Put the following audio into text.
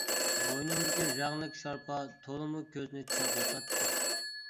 بوينۇمدىكى رەڭلىك شارپا تولىمۇ كۆزنى چاقنىتاتتى.